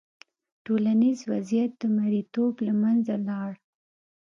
ټولنیز وضعیت د مریتوب له منځه لاړ.